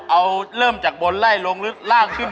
เอาเริ่มจากบนไล่ลงลึกล่างขึ้น